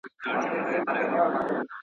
له لښكر څخه را ليري سو تنها سو.